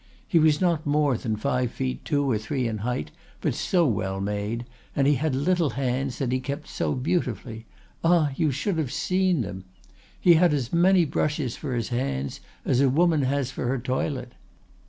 He was not more than five feet two or three in height, but so well made; and he had little hands that he kept so beautifully! Ah! you should have seen them. He had as many brushes for his hands as a woman has for her toilet.